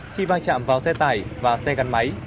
khi va chạm vào xe tải và xe gắn máy